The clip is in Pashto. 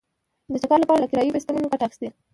د چکر لپاره له کرايي بایسکلونو ګټه اخیسته.